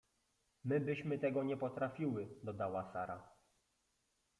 — My byśmy tego nie potrafiły — dodała Sara.